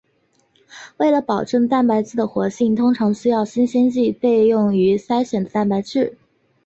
为了保证蛋白质的活性通常需要新鲜制备用于筛选的蛋白质。